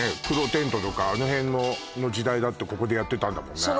黒テントとかあの辺の時代だってここでやってたんだもんね